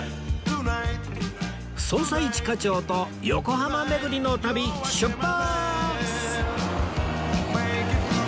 捜査一課長と横浜巡りの旅出発！